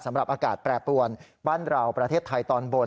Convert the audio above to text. อากาศแปรปวนบ้านเราประเทศไทยตอนบน